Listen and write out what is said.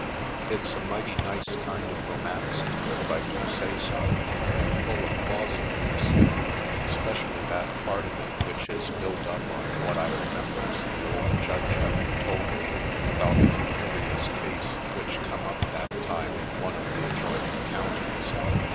It's a mighty nice kind of romancing, if I do say so, and full of plausibleness, 'specially that part of it which is built up on what I remembers the old judge having told me about the curious case which come up that time in one of the adjoining counties.